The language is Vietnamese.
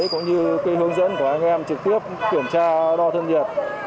cũng như hướng dẫn của anh em trực tiếp kiểm tra đo thân nhiệt